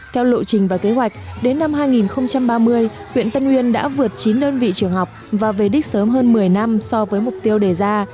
theo lộ trình và kế hoạch đến năm hai nghìn ba mươi huyện tân uyên đã vượt chín đơn vị trường học và về đích sớm hơn một mươi năm so với mục tiêu đề ra